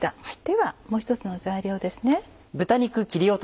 ではもう１つの材料ですね。